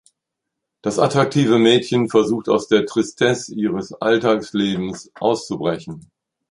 Das attraktive Mädchen versucht aus der Tristesse ihres Alltagslebens auszubrechen.